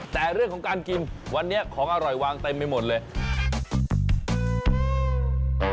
แต่เรื่องของการกินวันนี้ของอร่อยวางเต็มไปหมดเลย